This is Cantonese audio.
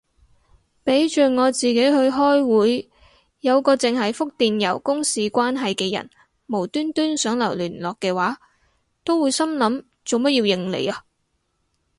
俾着我自己去開會，有個剩係覆電郵公事關係嘅人無端端想留聯絡嘅話，都會心諗做乜要應你啊